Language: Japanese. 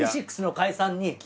Ｖ６の解散に。